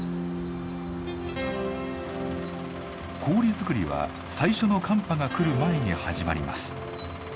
氷作りは最初の寒波が来る前に始まります。